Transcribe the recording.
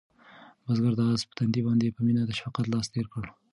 بزګر د آس په تندي باندې په مینه د شفقت لاس تېر کړ.